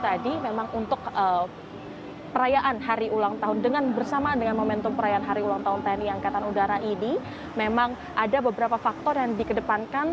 jadi memang untuk perayaan hari ulang tahun bersama dengan momentum perayaan hari ulang tahun tni ao ini memang ada beberapa faktor yang dikedepankan